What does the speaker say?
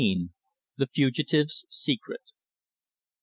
THE FUGITIVE'S SECRET.